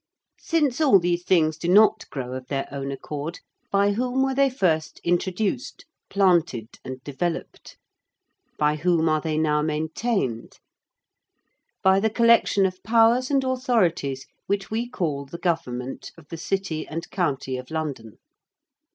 Since all these things do not grow of their own accord, by whom were they first introduced, planted, and developed? By whom are they now maintained? By the collection of powers and authorities which we call the Government of the City and County of London.